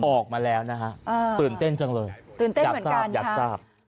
ออกมาแล้วนะฮะตื่นเต้นจังเลยอยากทราบ